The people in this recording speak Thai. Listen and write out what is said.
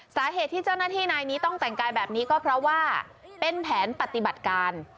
สาเหตุที่เจ้าหน้าที่นายนี้ต้องแต่งกายแบบนี้ก็เพราะว่าเป็นแผนปฏิบัติการ